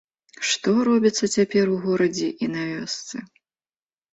Што робіцца цяпер у горадзе і на вёсцы!